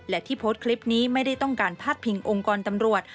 และที่โพสต์คลิปนี้ไม่ได้ต้องการพาดพิงองค์กรตำรวจ